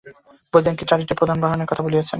বৈদান্তিকগণ চারিটি প্রধান সাধনের কথা বলিয়াছেন।